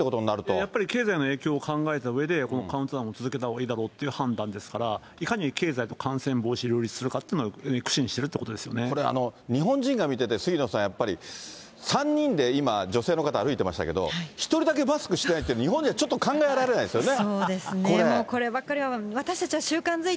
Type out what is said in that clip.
やっぱり経済の影響を考えたうえで、このカウントダウン、続けたほうがいいだろうっていう判断ですから、いかに経済と感染防止を両立するかということに苦心しているといこれ、日本人から見てて、杉野さん、やっぱり３人で今、女性の方歩いていましたけれども、１人だけマスクしてないって、日本ではちょっと考えられないですよね。